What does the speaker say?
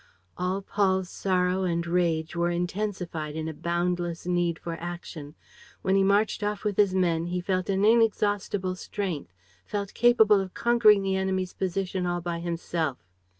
All Paul's sorrow and rage were intensified in a boundless need for action; when he marched off with his men, he felt an inexhaustible strength, felt capable of conquering the enemy's position all by himself.